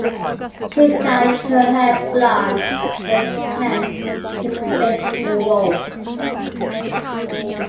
She dyed her hair blonde in an attempt to fit the role.